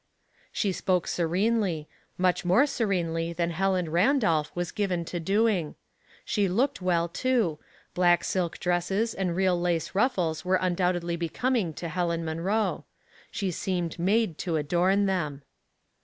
She spoke serenely — much more serenely than Helen Randolph was given to doing. She looked well, too ; black silk dresses and real lace ruffles were undoubtedly becoming to Helen Munroe. She seemed made to adorn them.